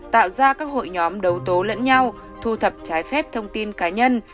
tạo ra các hội nhóm đấu tố lẫn nhau thu thập trái phép thông tin cá nhân